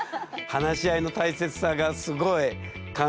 話し合いの大切さがすごい感じられますよ。